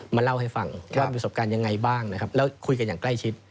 มาเล่าให้ฟังว่ามีประสบการณ์ยังไงบ้างนะครับแล้วคุยกันอย่างใกล้ชิด